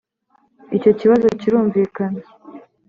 icyo kibazo kirumvikana.